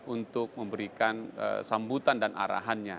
untuk memberikan sambutan dan arahannya